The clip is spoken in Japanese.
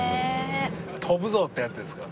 「飛ぶぞ」ってやつですか？